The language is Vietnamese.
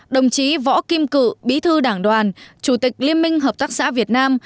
đồng chí võ kim cự bí thư đảng đoàn chủ tịch liên minh hợp tác xã việt nam